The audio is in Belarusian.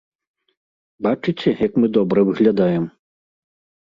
Бачыце, як мы добра выглядаем?